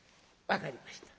分かりました。